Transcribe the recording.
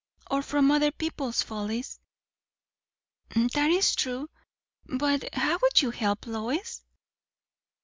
"Or from other people's follies." "That is true. But how would you help, Lois?"